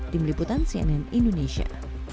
tim liputan cnn indonesia